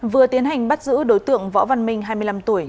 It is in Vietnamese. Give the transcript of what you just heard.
vừa tiến hành bắt giữ đối tượng võ văn minh hai mươi năm tuổi